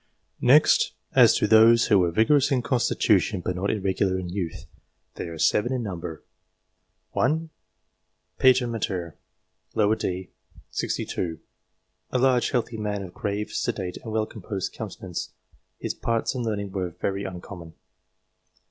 Next, as to those who were vigorous in constitution but not irregular in youth ; they are 7 in number. 1. Peter Martyr, d. set. 62 ; a large healthy man of grave, sedate, and well composed countenance. His parts and learning were very uncommon.